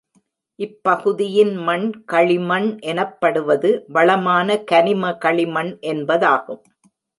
இப்பகுதியின் மண் களிமண் எனப்படுவது வளமான கனிம களிமண் என்பதாகும்.